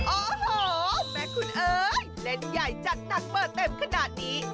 โอ้โหแม่คุณเอ๋ยเล่นใหญ่จัดหนักเปิดเต็มขนาดนี้